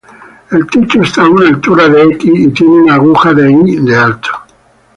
El techo esta a una altura de y tiene una aguja de de alto.